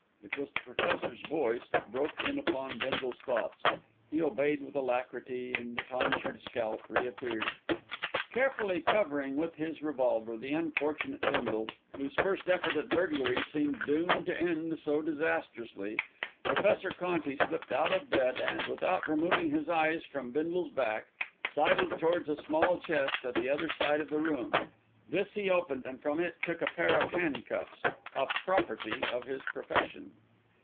It was the Professor's voice that broke in upon Bindle's thoughts. He obeyed with alacrity and the tonsured scalp reappeared. Carefully covering with his revolver the unfortunate Bindle, whose first effort at burglary seemed doomed to end so disastrously, Professor Conti slipped out of bed and, without removing his eyes from Bindle's back, sidled towards a small chest at the other side of the room. This he opened, and from it took a pair of handcuffs, a "property" of his profession.